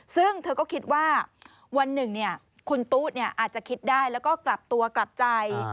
ซึ่งเธอก็คิดว่าวันหนึ่งคุณตู้อาจจะคิดได้แล้วก็กลับตัวกลับใจ